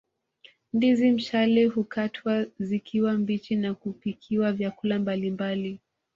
Ndizi mshale hukatwa zikiwa mbichi na kupikiwa vyakula mbalimbali